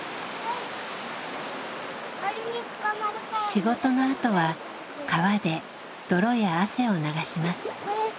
仕事のあとは川で泥や汗を流します。